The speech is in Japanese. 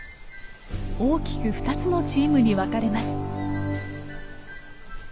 大きく２つのチームに分かれます。